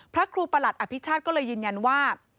พระครูประหลัดอภิชาติก็เลยยืนยันว่า